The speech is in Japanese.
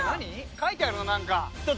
書いてあるよ何か。